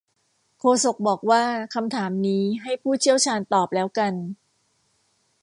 โฆษกบอกว่าคำถามนี้ให้ผู้เชี่ยวชาญตอบแล้วกัน